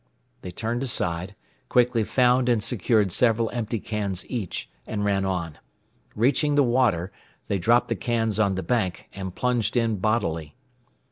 They turned aside, quickly found and secured several empty cans each, and ran on. Reaching the water, they dropped the cans on the bank, and plunged in bodily.